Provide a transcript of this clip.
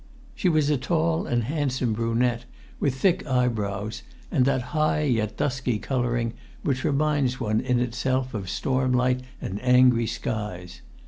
She was a tall and handsome brunette, with thick eyebrows and that high yet dusky colouring which reminds one in itself of stormlight and angry skies.